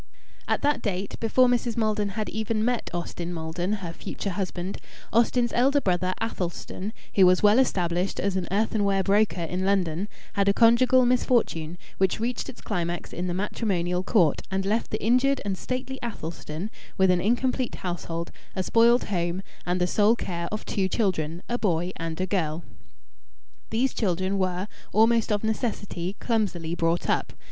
At that date before Mrs. Maldon had even met Austin Maldon, her future husband Austin's elder brother Athelstan, who was well established as an earthenware broker in London, had a conjugal misfortune, which reached its climax in the Matrimonial Court, and left the injured and stately Athelstan with an incomplete household, a spoiled home, and the sole care of two children, a boy and a girl. These children were, almost of necessity, clumsily brought up.